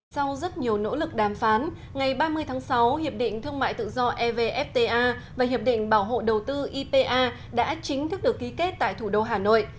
sau rất nhiều nỗ lực đàm phán ngày ba mươi tháng sáu hiệp định thương mại tự do evfta và hiệp định bảo hộ đầu tư ipa đã chính thức được ký kết tại thủ đô hà nội